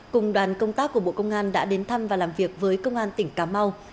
cùng đoàn công tác của bộ công an đã đến thăm và làm việc với công an tỉnh cà mau